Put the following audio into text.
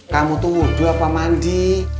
kamu tuh wudhu apa mandi